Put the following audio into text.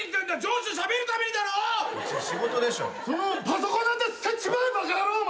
そのパソコンなんて捨てちまえバカ野郎お前。